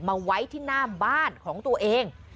มาไว้ที่หน้าบ้านของตัวเอง